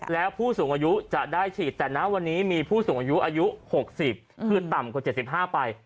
แล้วผู้สูงอายุจะได้ฉีดแต่นะวันนี้มีผู้สูงอายุอายุ๖๐คือต่ำกว่า๗๕ไป